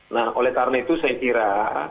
nah oleh karena itu saya kira